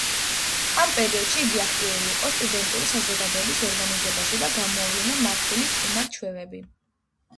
ამ პერიოდში იგი აქტიური იყო სტუდენტური საზოგადოების ორგანიზებაში და გამოავლინა მმართველის უნარ-ჩვევები.